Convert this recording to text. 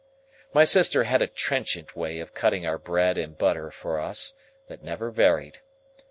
My sister had a trenchant way of cutting our bread and butter for us, that never varied.